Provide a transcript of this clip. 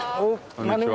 こんにちは。